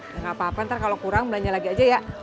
ya nggak apa apa ntar kalau kurang belanja lagi aja ya